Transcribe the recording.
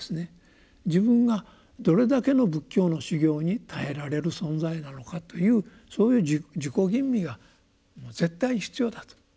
自分がどれだけの仏教の修行に耐えられる存在なのかというそういう自己吟味がもう絶対必要だと。